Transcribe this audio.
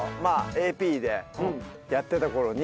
ＡＰでやってた頃に。